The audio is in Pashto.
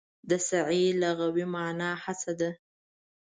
د سعې لغوي مانا هڅه ده.